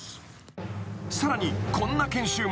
［さらにこんな研修も］